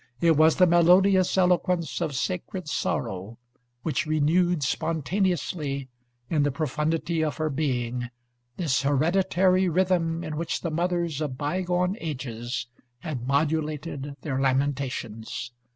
It was the melodious eloquence of sacred sorrow, which renewed spontaneously, in the profundity of her being, this hereditary rhythm in which the mothers of bygone ages had modulated their lamentations.